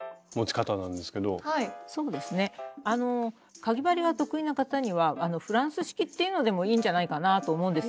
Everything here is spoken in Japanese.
かぎ針が得意な方には「フランス式」っていうのでもいいんじゃないかなぁと思うんです。